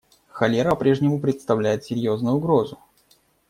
Холера по-прежнему представляет серьезную угрозу.